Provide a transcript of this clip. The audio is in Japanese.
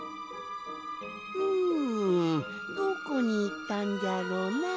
んどこにいったんじゃろなあ。